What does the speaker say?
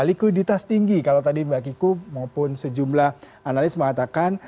likuiditas tinggi kalau tadi mbak kiku maupun sejumlah analis mengatakan